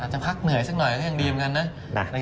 จะพักเหนื่อยสักหน่อยก็ยังดีเหมือนกันนะ